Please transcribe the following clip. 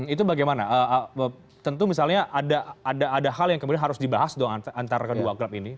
itu bagaimana tentu misalnya ada hal yang kemudian harus dibahas dong antara kedua klub ini